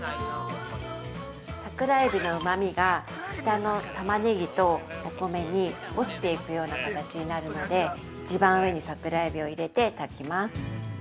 ◆桜えびのうまみが下のタマネギとお米に落ちていくような形になるので一番上に桜えびを入れて炊きます。